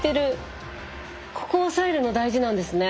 ここ押さえるの大事なんですね。